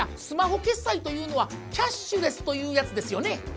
スマホ決済というのはキャッシュレスというやつですよね？